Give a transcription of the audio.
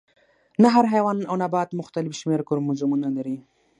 نه هر حیوان او نبات مختلف شمیر کروموزومونه لري